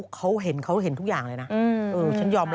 เขาเห็นทุกอย่างเลยนะ